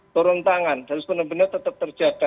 turun tangan harus benar benar tetap terjaga